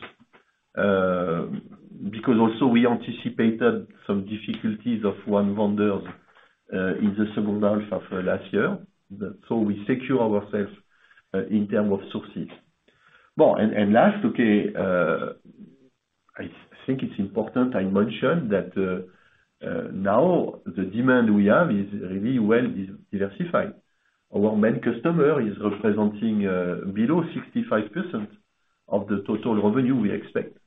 because also we anticipated some difficulties of one vendors in the second half of last year. We secure ourselves in term of sources. Well, and last, okay, I think it's important I mention that now the demand we have is really well diversified. Our main customer is representing below 65% of the total revenue we expect.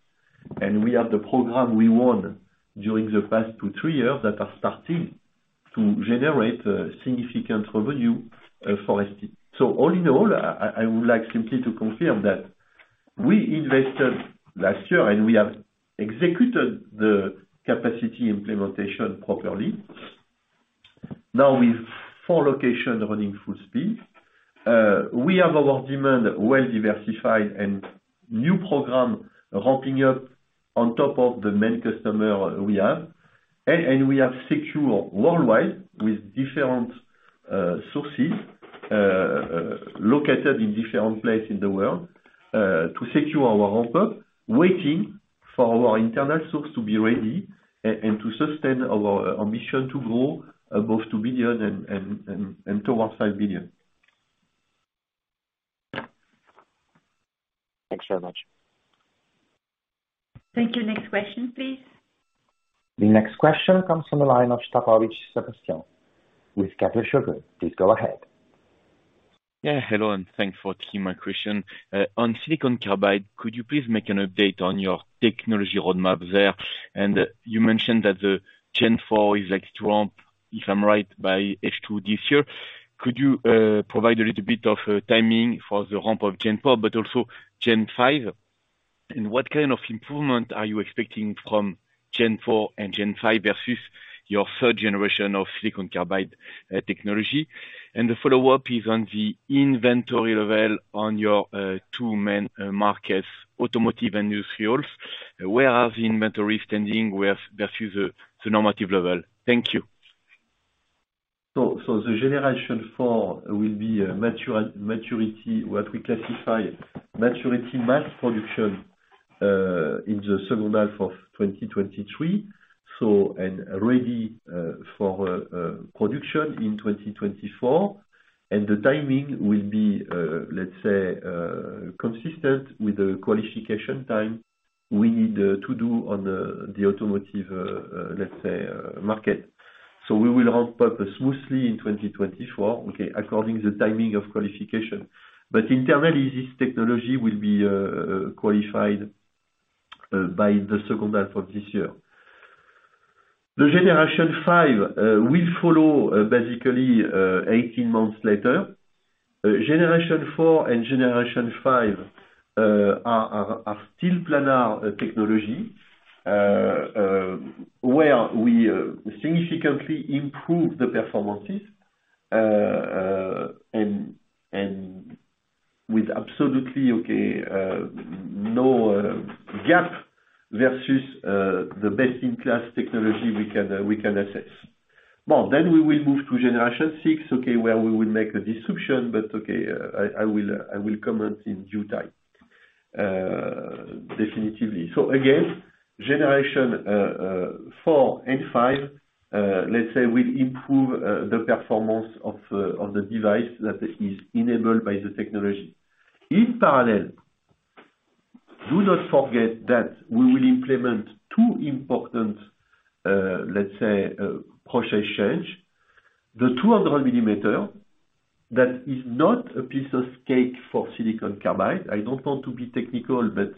We have the program we won during the past three years that are starting to generate significant revenue for ST. All in all, I would like simply to confirm that we invested last year, and we have executed the capacity implementation properly. Now with four locations running full speed. We have our demand well diversified and new program ramping up on top of the main customer we have. We have secure worldwide with different sources located in different place in the world to secure our ramp up, waiting for our internal source to be ready to sustain our ambition to grow above $2 billion and towards $5 billion. Thanks very much. Thank you. Next question, please. The next question comes from the line of Sebastien Sztabowicz with Kepler Cheuvreux. Please go ahead. Yeah, hello and thanks for taking my question. On silicon carbide, could you please make an update on your technology roadmap there? You mentioned that the gen four is set to ramp, if I'm right, by H2 this year. Could you provide a little bit of timing for the ramp of gen four, but also gen five? What kind of improvement are you expecting from gen four and gen five versus your third generation of silicon carbide technology? The follow-up is on the inventory level on your two main markets, automotive and industrials. Where are the inventory standing with versus the normative level? Thank you. The Generation 4 will be maturity, what we classify maturity mass production, in the second half of 2023. Ready for production in 2024. The timing will be, let's say. Consistent with the qualification time we need to do on the automotive, let's say, market. We will ramp up smoothly in 2024, okay, according the timing of qualification. Internally, this technology will be qualified by the second half of this year. The Generation 5 will follow basically 18 months later. Generation 4 and Generation 5 are still planar technology where we significantly improve the performances and with absolutely, okay, no gap versus the best-in-class technology we can, we can assess. We will move to Generation 6, okay, where we will make a disruption, but I will comment in due time definitively. Again, Generation 4 and 5, let's say will improve the performance of the device that is enabled by the technology. In parallel, do not forget that we will implement two important, let's say, process change. The 200mm, that is not a piece of cake for silicon carbide. I don't want to be technical, but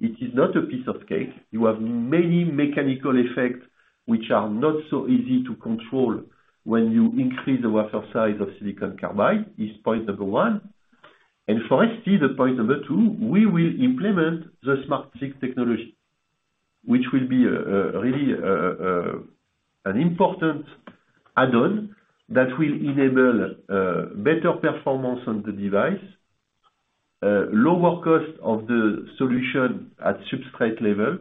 it is not a piece of cake. You have many mechanical effects which are not so easy to control when you increase the wafer size of silicon carbide. Is point number one. For ST, the point number two, we will implement the SmartSiC technology, which will be really an important add-on that will enable better performance on the device, lower cost of the solution at substrate level,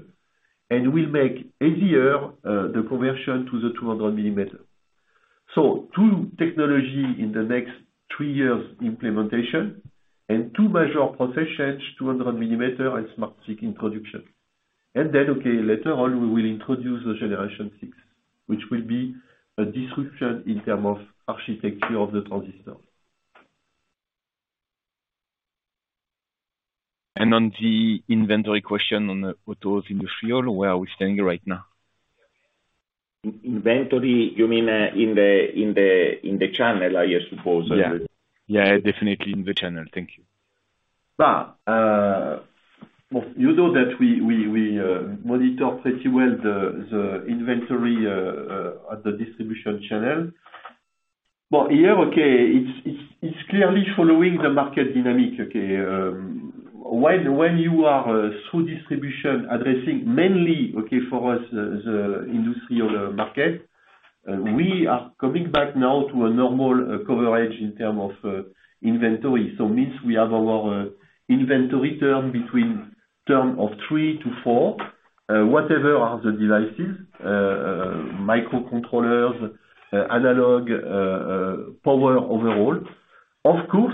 and will make easier the conversion to the 200mm. two technology in the next three years implementation and two major process change, 200mm and SmartSiC introduction. Okay, later on, we will introduce the Generation 6, which will be a disruption in terms of architecture of the transistor. On the inventory question on the autos industrial, where are we standing right now? Inventory, you mean, in the channel, I suppose. Yeah. Yeah, definitely in the channel. Thank you. You know that we monitor pretty well the inventory at the distribution channel. Here, okay, it's clearly following the market dynamic, okay. When you are through distribution addressing mainly, okay, for us, the industrial market, we are coming back now to a normal coverage in term of inventory. Means we have our inventory term of three to four, whatever are the devices, microcontrollers, analog, power overall. Of course,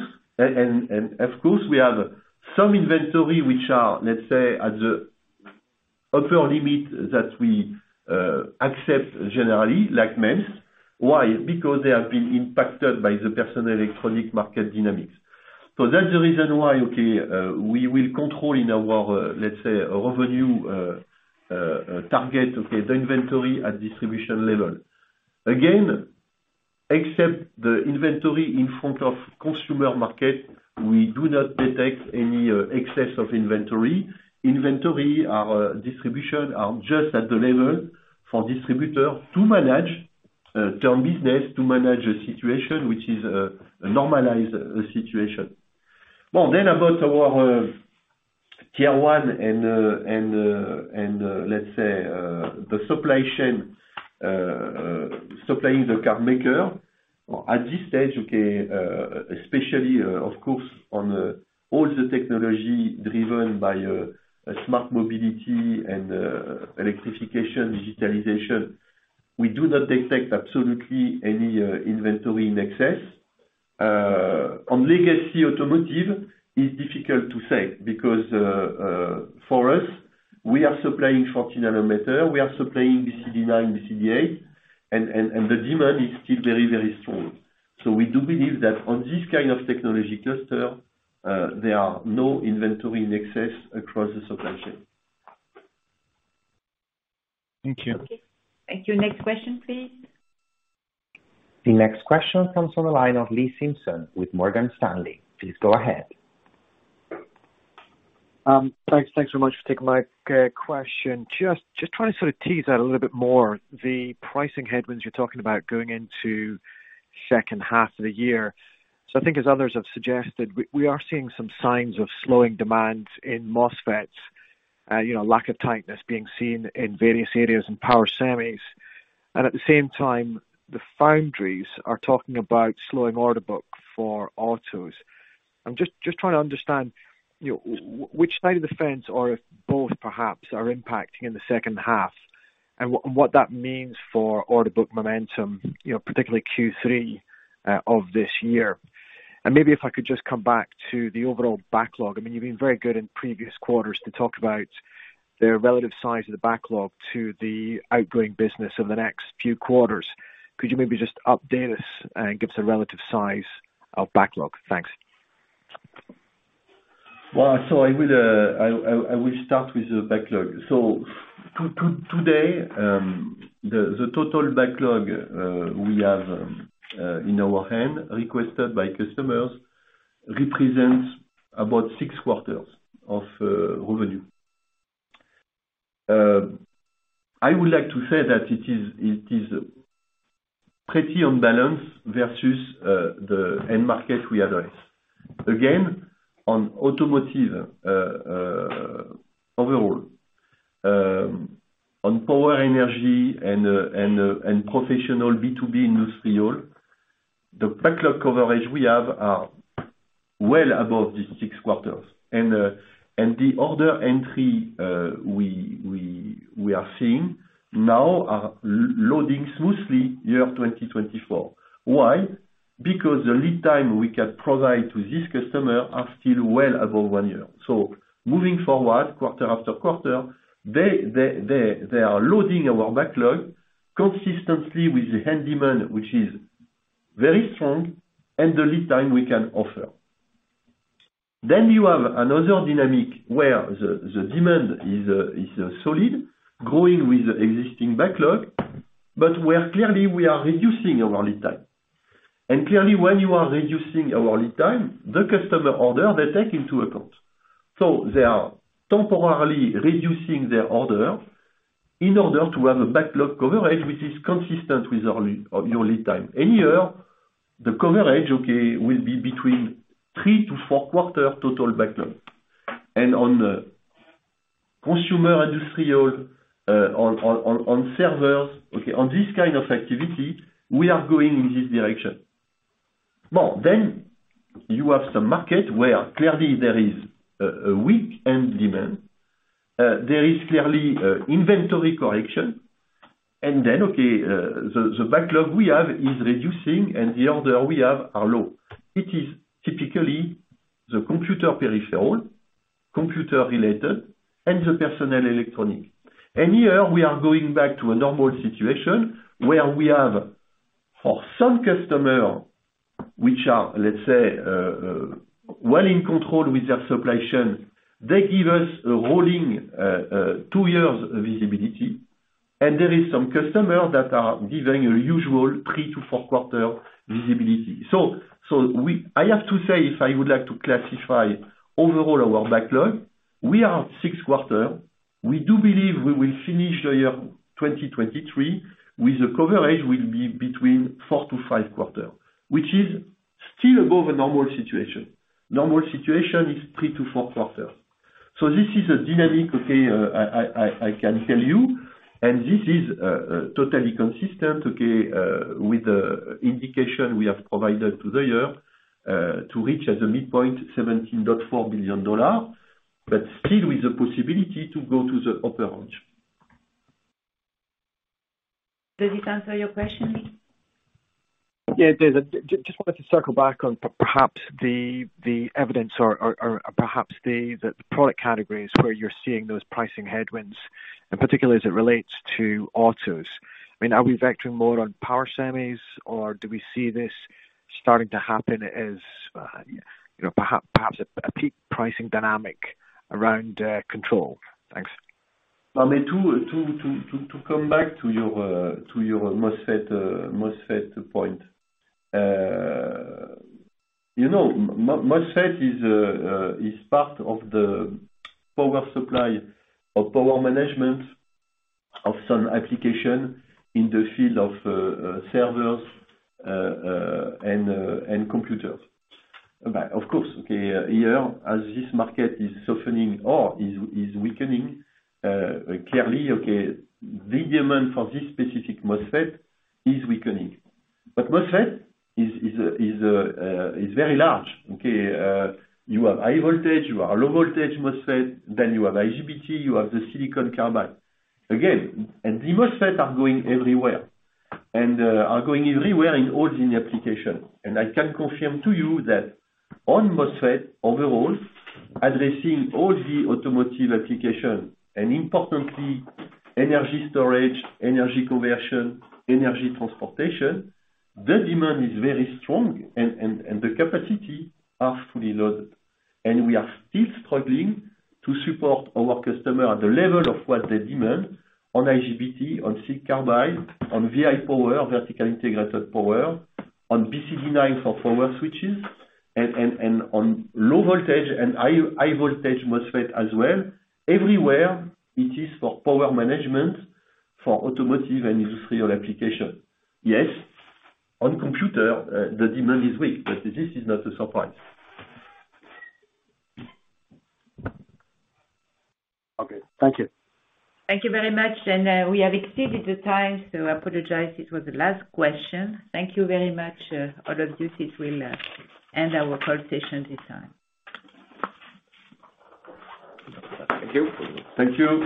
we have some inventory which are, let's say, at the upper limit that we accept generally, like MEMS. Why? Because they have been impacted by the personal electronic market dynamics. That's the reason why, we will control in our revenue target, the inventory at distribution level. Again, except the inventory in front of consumer market, we do not detect any excess of inventory. Inventory, our distribution are just at the level for distributor to manage term business, to manage a situation which is a normalized situation. Well, about our tier one and the supply chain supplying the car maker. At this stage, especially, of course, on all the technology driven by smart mobility and electrification, digitalization, we do not detect absolutely any inventory in excess. on legacy automotive, it's difficult to say because for us, we are supplying 40nm, we are supplying BCD9, BCD8, and the demand is still very, very strong. We do believe that on this kind of technology cluster, there are no inventory in excess across the supply chain. Thank you. Okay. Thank you. Next question, please. The next question comes from the line of Lee Simpson with Morgan Stanley. Please go ahead. Thanks. Thanks so much for taking my question. Just trying to sort of tease out a little bit more the pricing headwinds you're talking about going into second half of the year. I think as others have suggested, we are seeing some signs of slowing demand in MOSFETs, you know, lack of tightness being seen in various areas and power semis. At the same time, the foundries are talking about slowing order book for autos. I'm just trying to understand, you know, which side of the fence or if both perhaps are impacting in the second half and what that means for order book momentum, you know, particularly Q3 of this year. Maybe if I could just come back to the overall backlog. I mean, you've been very good in previous quarters to talk about the relative size of the backlog to the outgoing business over the next few quarters. Could you maybe just update us and give us a relative size of backlog? Thanks. Well, I will start with the backlog. Today, the total backlog we have in our hand requested by customers represents about six quarters of revenue. I would like to say that it is pretty on balance versus the end market we address. Again, on automotive overall, on power energy and professional B2B industrial, the backlog coverage we have are well above the six quarters. The order entry we are seeing now are loading smoothly year 2024. Why? Because the lead time we can provide to this customer are still well above one year. Moving forward, quarter after quarter, they are loading our backlog consistently with the end demand, which is very strong, and the lead time we can offer. You have another dynamic where the demand is solid, growing with existing backlog, where clearly we are reducing our lead time. Clearly when you are reducing our lead time, the customer order they take into account. They are temporarily reducing their order in order to have a backlog coverage which is consistent with your lead time. Here, the coverage, okay, will be between three to four quarter total backlog. On the consumer industrial, on server, okay, on this kind of activity, we are going in this direction. Now, you have some market where clearly there is a weak end demand. There is clearly inventory correction. Okay, the backlog we have is reducing and the order we have are low. It is typically the computer peripheral, computer-related, and the personal electronic. Here, we are going back to a normal situation where we have, for some customer which are, let's say, well in control with their supply chain, they give us a rolling two years visibility, and there is some customer that are giving a usual three to four quarter visibility. I have to say, if I would like to classify overall our backlog, we are six quarter. We do believe we will finish the year 2023 with the coverage will be between four to five quarter, which is still above a normal situation. Normal situation is three to four quarter. This is a dynamic, okay, I can tell you, and this is totally consistent, okay, with the indication we have provided to the year, to reach at the midpoint $17.4 billion, but still with the possibility to go to the upper range. Does it answer your question, Lee? Yeah, it does. Just wanted to circle back on perhaps the evidence or perhaps the product categories where you're seeing those pricing headwinds, and particularly as it relates to autos. I mean, are we vectoring more on power semis or do we see this starting to happen as, you know, perhaps a peak pricing dynamic around control? Thanks. I mean, to come back to your MOSFET point. You know, MOSFET is part of the power supply or power management of some application in the field of servers and computers. Of course, okay, here, as this market is softening or is weakening, clearly, okay, the demand for this specific MOSFET is weakening. MOSFET is very large, okay? You have high voltage, you have low voltage MOSFET, then you have IGBT, you have the silicon carbide. Again, the MOSFET are going everywhere. are going everywhere in all the new application. I can confirm to you that on MOSFET overall, addressing all the automotive application and importantly energy storage, energy conversion, energy transportation, the demand is very strong and the capacity are fully loaded. We are still struggling to support our customer at the level of what they demand on IGBT, on silicon carbide, on VIPower, vertical integrated power, on BCD9 for power switches and on low voltage and high voltage MOSFET as well. Everywhere it is for power management for automotive and industrial application. Yes, on computer, the demand is weak, this is not a surprise. Okay. Thank you. Thank you very much. We have exceeded the time, so I apologize this was the last question. Thank you very much, all of you. This will end our call session this time. Thank you. Thank you.